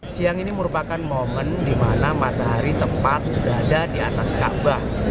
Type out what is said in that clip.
siang ini merupakan momen dimana matahari tepat berada di atas ka bah